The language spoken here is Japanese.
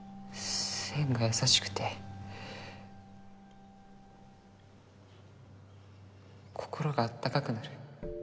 線が優しくて心が温かくなる。